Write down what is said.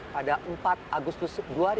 pada empat agustus dua ribu dua puluh